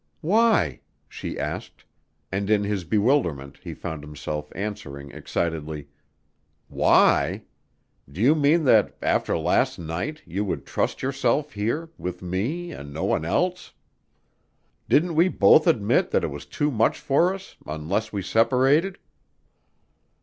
"Why?" she asked, and in his bewilderment he found himself answering excitedly: "Why? Do you mean that, after last night, you would trust yourself here ... with me ... and no one else? Didn't we both admit that it was too much for us unless we separated?"